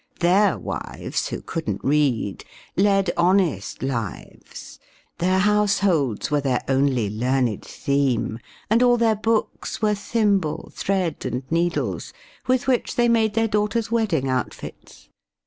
Their wives, who couldn't read, led honest lives, Their households were their only learned theme, And all their books were thimble, thread and needles. With which they made their daughters' wedding outfits.